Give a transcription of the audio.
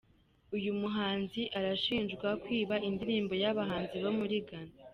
Uyu muhanzi arashinjwa kwiba indirimbo y'abahanzi bo muri Ghana.